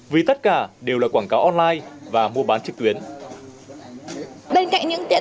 vì tất cả đều là quảng cáo online và mua bán trực tuyến